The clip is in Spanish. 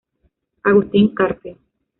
Agustín Carpio.